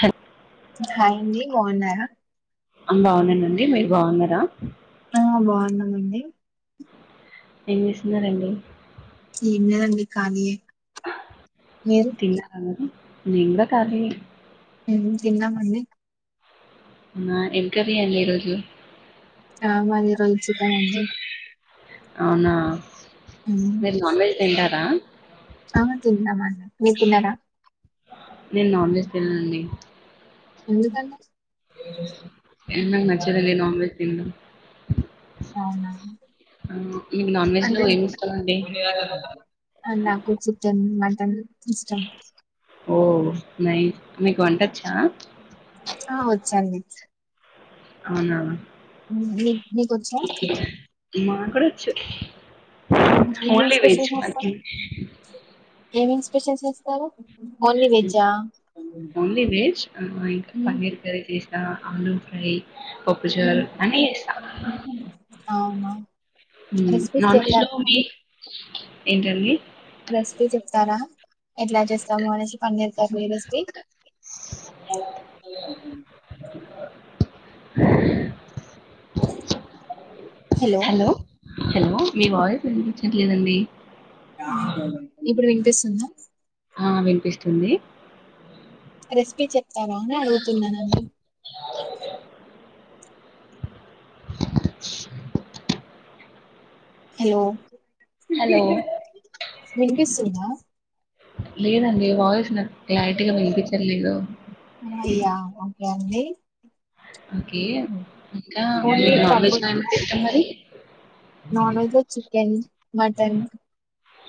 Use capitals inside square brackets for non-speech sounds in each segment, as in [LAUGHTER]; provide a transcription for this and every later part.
హ హాయి అండి బాగున్నారా బాగున్నానండి మీరు బాగున్నారా ఆ బాగున్నామండి ఏం చేస్తున్నారండి ఏంలేదు అండి ఖాళీయే మీరు తిన్నారా మరి నిగ ఖాళీయే తిన్నామండి ఆ ఏ కర్రీ అండి ఈరోజు ఆ మది ఈరోజు చికెన్ అండి అవునా మీరు నాన్ వెజ్ తింటారా హ తింతమంది మీరు తిన్నారా నేను నాన్ వెజ్ తిననండి ఎందుకలా ఏమో నాకు నచ్చదు అండి నాన్వెజ్ తిన్నడం [INAUDIBLE] అవునా నాన్ వెజ్ లో ఏమి ఇష్టమండి నాకు కొచం [UNINTELLIGIBLE] ఇస్టా [INAUDIBLE] ఓ న మీకు వంట వచ్చా ఆ వచ్చాండి అవునా నీ నీకొచ్చా మాకు వచ్చు ఏమేం ఓన్లీ వెజ్ స్పెషల్ మాకి చేస్తారు ఏమేం. చేసేస్తారు. ఓన్లీ వెజ్ ఇంకా పన్నీర్ కరీ చేస్ ఆలూ ఫ్రై పప్పుచారు అన్నీ చేస్తా అవునా రెసిపీస్ నాన్ వెజ్ లో చెప్తారండి. మీ ఏంటండి. రెసిపీ చెప్తారా ఎట్లా చేస్తాము అనేసి పని చేస్త రెసిపీ. [INAUDIBLE] [INAUDIBLE] హలో హలో మీ వాయిస్ వినిపించట్లేదండి. ఇప్పుడు విన్ వినిపిస్తుంద. ఆ వినిపిస్తుంది. రెసిపీ చెప్తారా అనే అడుగుతున్నానండి. [INAUDIBLE] హలో హలో వినిపిస్తుందా. లేదండి వాయిస్ లైట్ గా వినిపించట్లేదు. అయ్యా అండి ఓకే ఇంకా ఓన్లీ నాన్ పప్పు వెజ్ లో ఏమంటే ఇష్టం మరి. Non veg chicken mutton.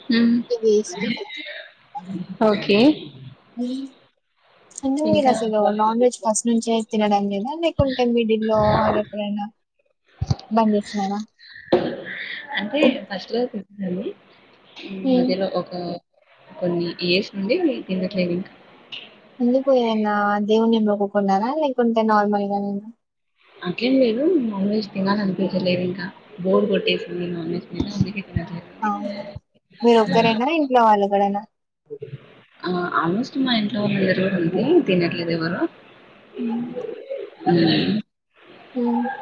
హ్మ్ ఓకే ఇంకా నాన్ వెజ్ ఫస్ట్. నుంచంచి తినాడం లేదా. లేకుంటే మిడిల్ల్లో అది ఎక్కడైనా బంద్ చేసినారా. అంటే ఫస్ట్ లో ఉమ్. అదిలో ఒక కొన్ని ఇయర్స్ నుండి మీ కింద క్లినిక్. ఎందుకు ఏదన్నా. దేవుని మోక్కుకున్నారా లేకుంటే నార్మల్ గా నేను అట్లేం లేదు నాన్ వెెజ్ తినాలనిపించలేదు ఇంకా బోర్డ్ కొట్టేస్తుంది నాన్ వెజ్ మీద అందుకే తినట్లేదండి అవ్నా మీరు ఒక్కరైనా ఇంట్లో వాళ్ళ ఎక్కడైనా ఆ ఆల్మోస్ట్ మా ఇంట్లో అందరి కూడా ఉంది తినట్లేదు ఎవ్వరు ఉమ్. హ్మ్ ఎం చెప్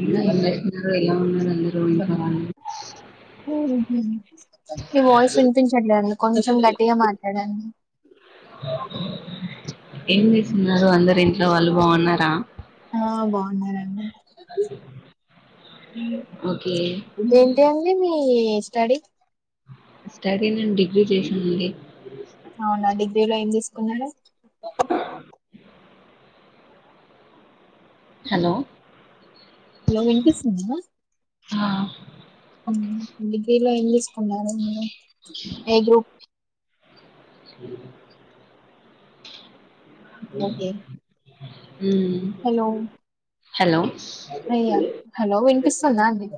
ఇంకా ఎం చేస్తున్నారో ఏమో ఉన్నారో ఇంట్లో అందరు హ్మ్ మీ వాయిస్ వినిపించట్లేదండి కొంచెం గట్టిగా మాట్లాడండి మ్ ఎన్ని చిన్నారు వందర ఇంట్లో వలుభం ఉన్నార ఆ బాగున్నరండి ఓకే ఇేంటి అండి మీ స్డి స్టాటిన్ డిగ్రీ చేసింది అవునా డిగ్రీలో ఏం తీసుకున్నారు హలో హలో ఉంటేస్తుంది ఆ అవు డిగ్రీలో ఏం తీసుకున్నారు మీరు ఏ గ్రూప్ స ఓకే అ హలో అయ్యా హలో వినిపిస్తుందా అండి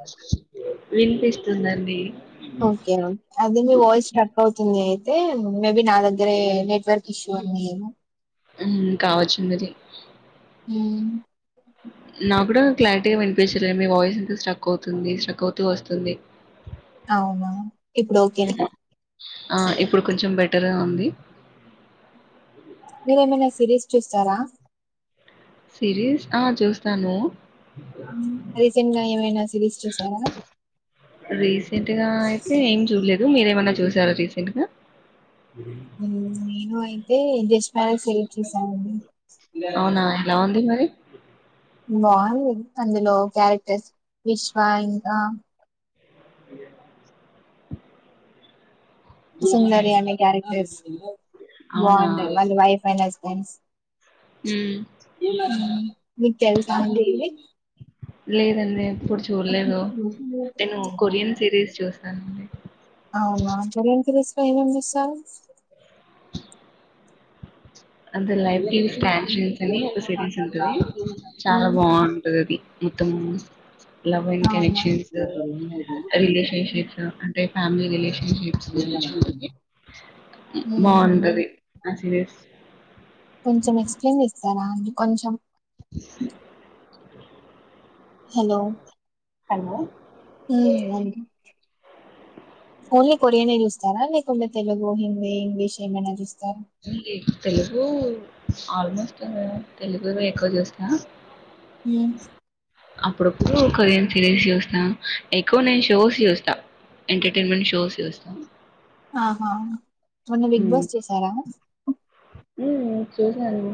తుందండి ఓకేక అదే మీ వయిస్ ర వంది అయితే మేబి నా దగ్గరే నెట్వర్క్ ఇష్యూ ఉంది ఉమ్ కావచ్చుందిది హు నా కూడా క్లారిటీగా వినిపించలేదు మీ వాయిస్ ఎంత స్ట్రక్ అవుతుంది స్ట్రక్ అవుతూ వస్తుంది అవునా ఇప్పుడు ఓకేనా హ్మ్. ఆ ఇప్పుడు కొంచెం బెటర్గా ఉంది సిరీస్ట్రీస్టారా సిరీస్ ఆ చూస్తాను రీసెంట్ గా ఏమైనా సిరీస్ చూసారా రీసెంట్గా అయితే ఏం చూడలేదు రు మీరు ఏమైనా చూశారా రీసెంట్గా ఉ హీరోయిన్ అయితే జస్ట్ పాన్ సెలెక్ట్ చేసానండి అవునా ఎలా ఉంది మరి బాగుంది అందులో క్యారెక్టర్స్ విశ్వ ఇంకా ఏ సుందరి అనే క్యారక్స్ [UNINTELLIGIBLE] అవునా బాగుండది వాళ్ళ వైఫ్ అయినా థ్యాంక్స్ ఉ మీకు తెలుసా అండి ఇది లేదండి నేను ఎప్పుడు చూడలేదు ఉమ్. నేను కొరియన్ సిరీస్ చూస్తా అండి అవునా సరే ఏంత [UNINTELLIGIBLE] అంత లైఫ్ కి స్టాస్ [INAUDIBLE] అని ఒక సిరీస్ ఉంటది ఆ, చాలా బాగుంటది అది ఇట్టము లవ్ అండ్ అవునా కనెక్షన్స్ రిలేషన్షిప్స్ అంటే ఫ్యామిలీ రిలేషన్షిప్స్ గురించి ఉంటుంది అ ఉమ్మ్. బాగుంటుంది ఆ సిరీస్ కొంచెం ఎక్స్ప్లెయిన్ చేస్తారా అని కొంచెం హలో హలో హ్మ్ ఓన్లీ కొరియనే చూస్తారా లేదంటే తెలుగు హిందీ ఇంగ్లీష్ ఏమైనా చూస్తారా తెలుగు ఆల్మోస్ట్ ఉ తెలుగువే ఎక్కువ చూస్తా ఉ అప్పుడప్పుడు కొరియన్ సిరీస్ చూస్తా ఎక్కువ నేను షోస్ చూస్తా ఎంటర్టైన్మెంట్ షోస్ చూస్తా ఆహా మొన్న బిగ్ బాస్ చేసారా ఉ చూసాను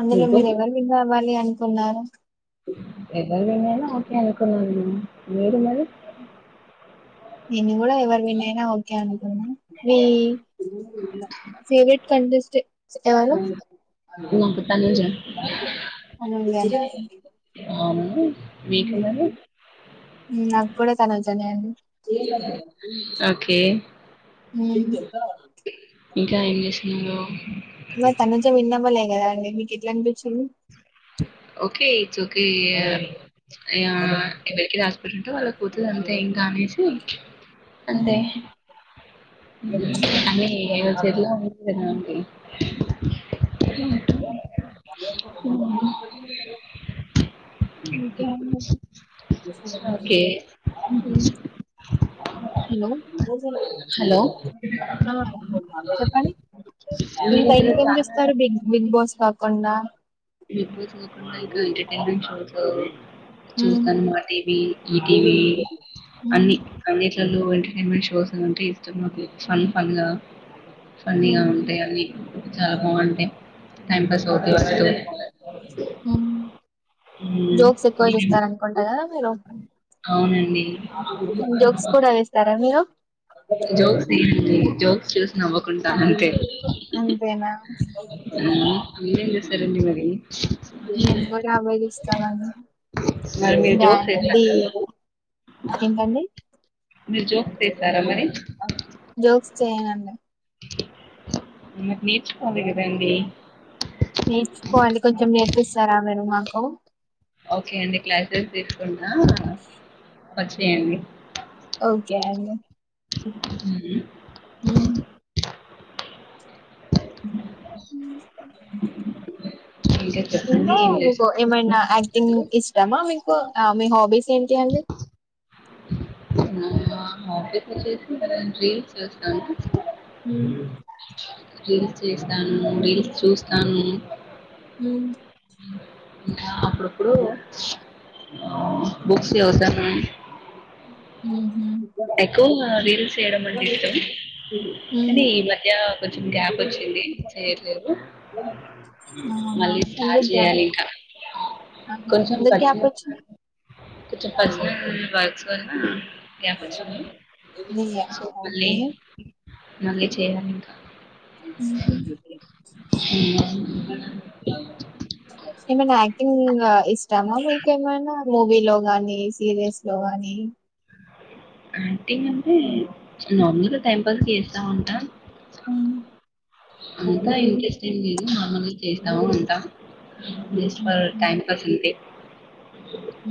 అందులో మీరు ఎవరి విన్ అవ్వాలి అన్ కునారు ఎవరు విన్ అయిన ఓకే అనుకను మీరు మరి నీను కూడా ఎవరు విన్నయినా ఓకే అనుకున్న మీ ఫేవరెట్ కంటెస్టెంట్స్ ఎవరు నాకు తనుజ తనుజ ఆను మ్మ్ నాక్ కూడా చన జనే అ ఓకే మ్మ్ ఇంకా ఏం చేస్తున్నావ్ మ తన చె విన్నళ్లే ఏ అండి మీకు ఎట్ల అనిపించింది ఓకే ఇట్స్ ఓకే ఎవరికి రాస్పిటి ఉంటే వాళ్ళకి పోతుంది అంతే ఇంకా అనేసి అంతే ఉమ్. అ ఉ కదా ఈ ఇంకేంది ఓకే హలో హలో చెప్పండి మీ ఇంకా దగ్గర ఇంకేం చాలా బిగ్ బాస్ కాకుండా బ ై ఎంటర్టైన్మెంట్ షో ఉమ్. చూస్తాను మా టీవ ఈటీవీ అన్ని అన్నిట్లలో ఎంటర్టైన్మెంట్ షోస్ స్ అంటే ఇష్టం నాకు ఫన్ ఫన్గా ఫన్నీగా ఉంటాయి అన్ని చాలా బాగుంటాయి టైం పాస్ అవుతాయి మ్మ్ మ్మ్. జోక్స్ ఎక్కువ మీరేం- చూస్తార అనుకుంటా కదా మీరు అవునండి జోక్స్ కూడా వేస్తారా మీరు జోక్స్ జోక్స్ చూస్తా అంతేనా మ్మ్. మీరేం చేస్తారండి మరి నేను కూడా అవే చూస్తా మరి మీరు కదా జోక్స్ వేసారా [UNINTELLIGIBLE] ఏంటండి మీరు జోక్ చేస్తారా మరి జోక్స్ చేయనండి మరినే నేర్చిపోవాలి కొంచెం నేర్పిస్తారా మీరు మాకు హ ఓకే అండి క్లాసెస్ తీసుకున్నా వచ్చయండి ఓకే అండి మ్మ్. అ ఇంకా చెప్పండి ఏం మీకు ఏమైనా యాక్టింగ్ చేస్తున్నారు ఇష్టమా ఆ మీ హాబీస్ ఏంటి అండి నా హాబీస్ వచ్చేసి రీల్స్ చూస్తాను ఉం రీల్స్ చేస్తాను రీల్స్ చూస్తాను హ అప్పుడప్పుడు బుక్స్ చదువుతాను హు హామ్ ఎక్కువ రీల్స్ చేయడం అంటే ఇష్టం మ్మ్. కానీ ఈ మధ్య కొంచం గ్యాప్ వచ్చింది చేయలేదు అవునా మళ్ళీ స్టార్ట్ ఎందుకు గ్యాప్ చేయాలి ఇంకా కొంచెం ఎందుకు పచ్చ గ్యాప్ కొంచెం పచ్చ దానివల్ల గ్యాప్ లే సో మళ్ళీ ఓకే మళ్ళీ చేయ్యాలి ఇంకా ఏమ ఇంకా ఇష్టామా ఇంకేమైనా మూవీలో గానీ సీరియల్స్ లో గానీ యాక్టింగ్ అంటే నమూలుగా టైం పాస్ చేస్తా ఉంటా హ్మ్. అంతా ఇంట్రెస్టింగ్ మామూలుగా చేస్తాము ఉంటాస్ట్ ఫర్ టైమికల్స్ ఉంటే ఆ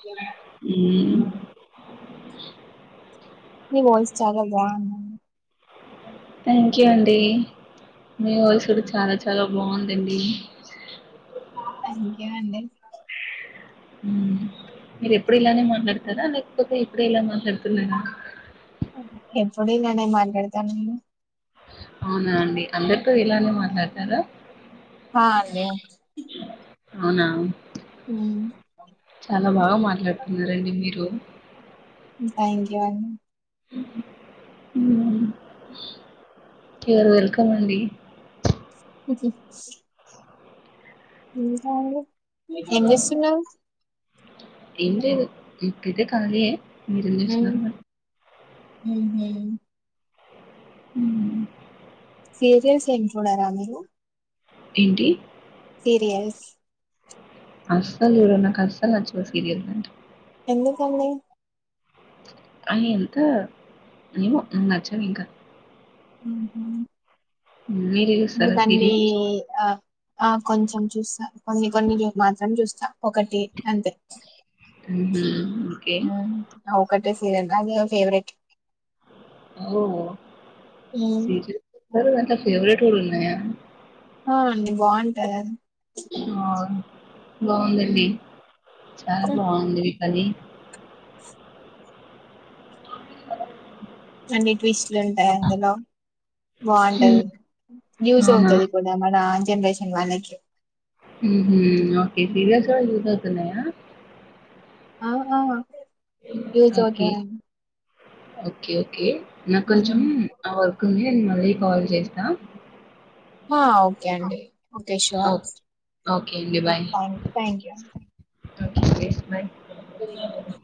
హ నివో చాలా బా థ్యాంక్ యూ అండి మీ వయసు కూడా కూడా చాలా చాలా బాగుందండి థ్యాంక్ యూ అండి మీరు ఎప్పుడు ఇలానే మాట్లాడతారా లేకపోతే ఇప్పుడ ఇలా మాట్లాడుతున్నారా ఎప్పుడ నన్న మాట్లాడతానును అవునా అండి అందరితో ఇలానే మాట్లాడతారు హా అండి అవునా హ్మ్. చాలా బాగా మాట్లాడుతున్నారండి మీరు థ్యాంక్ యూ అ కేరు వెల్కమ్ అండి హ్మ్ మీ కాగ ఎంత ఇస్తున్నా ఇ ఇప్పద్ద కాలే మీరం చేస్తున్నారు అ మ్మ్ హ్మ్ సీరియల్స్ ఏం చూడరాా మీరు ఏంటి సీరియల్స్ అస్సలు చూడను నాకు అస్సల్ నచ్చవు సీరియల్స్ అంట ఎందుకండి అవి ఎంత ఏమో నచ్చవు ఇంకా మ్మ్ హు మీరు చూస్తారా సీరియల్స్ [UNINTELLIGIBLE] ఆ ఆ కొంచెం చూస్తా కొన్ని కొన్ని మాత్రం చూస్ స ఒకటి అంతే మ్మ్ హ్మ్ ఓకే హ్మ్ ఆ ఒకటే సీరియల్ నా మీ ఫేవరెట్ ఓ హ్మ్. సీరియల్ మరి దాంట్లో ఫెవరెట్ కూడా ఉన్నాయా అవును అండి బాగుంటాది అది ఆవున్ బాగుందండి చాలా బాగుంది అది ట్లాంటి ట్విస్ట్లుంటాయి అందులో హ్మ్. బాగుంటది యూజ్ అవునా? అవుతుది కూడా మన జెనరేషన్ వాళ్ళకి మ్మ్ హ్మ్ ఓకే సీరియల్స్ కూడా యూజ్ అవుతున్నాయా అ ఆ యూజ్ అవుతాయి అండి ఓకె ఓకే నాకు కొంచెం హ్మ్ ఆ వర్క్ ఉంది మ ళ్ళీ కాల్ జేస్తా హా ఓకే అండి ఓకే ష్యూర్ ఓకే. ఓకే అండి. Bye. Thank you okay bye తెలీదు